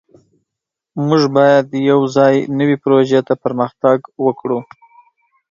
موږ باید یوځای نوې پروژې ته پرمختګ وکړو.